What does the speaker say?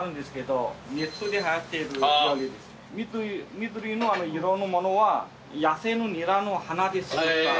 緑の色のものは野生のニラの花で。